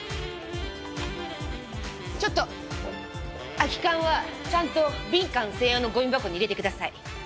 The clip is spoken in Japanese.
空き缶はちゃんとビン缶専用のゴミ箱に入れてください。